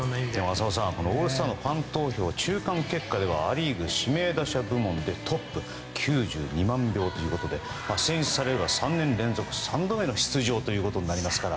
浅尾さんオールスターのファン投票中間結果ではア・リーグ指名打者部門でトップの９２満票ということで選出されれば３年連続３度目の出場となります。